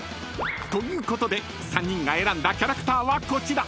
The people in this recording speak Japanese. ［ということで３人が選んだキャラクターはこちら］